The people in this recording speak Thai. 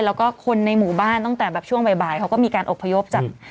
แล้วก็คนในหมู่บ้านตั้งแต่แบบช่วงบ่ายเขาก็มีการอบพยพจาก